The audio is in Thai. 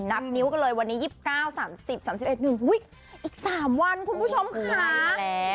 นับนิ้วกันเลยวันนี้๒๙๓๐๓๑๑อีก๓วันคุณผู้ชมค่ะ